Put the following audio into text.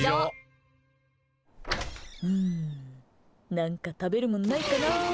何か食べるもんないかな。